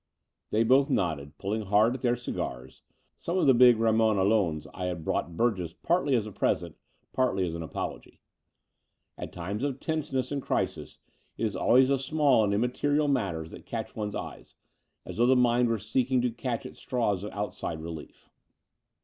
They both nodded, pulling hard at their cigars — some of the big Ramon Allones I had brought Burgess partly as a present, partly as an apology. At times of tenseness and crisis it is always the small and immaterial matters that catch one's eye, as though the mind were seeking to catch at straws of outside relief.